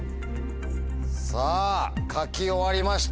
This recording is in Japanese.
さぁ書き終わりました。